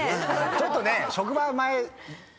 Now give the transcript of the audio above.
ちょっとね職場前。